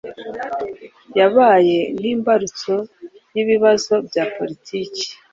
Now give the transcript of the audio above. yabaye nk'imbarutso y'ibibazo bya politiki